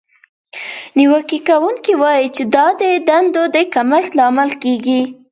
نیوکه کوونکې وایي چې دا د دندو د کمښت لامل کیږي.